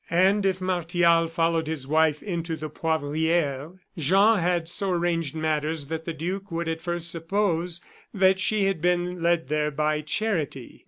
And if Martial followed his wife into the Poivriere, Jean had so arranged matters that the duke would at first suppose that she had been led there by charity.